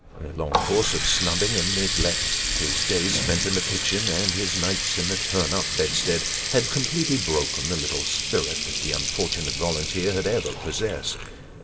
A long course of snubbing and neglect ; his days spent in the kitchen, and his nights in the turn up bedstead, had completely broken the little spirit that the unfortunate volunteer had ever possessed.